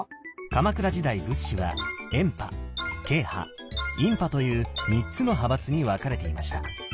鎌倉時代仏師は「円派」「慶派」「院派」という３つの派閥に分かれていました。